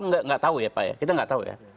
nggak tahu ya pak ya kita nggak tahu ya